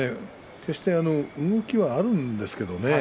決して動きはあるんですけどね